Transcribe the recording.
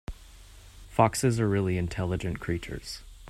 Foxes are really intelligent creatures.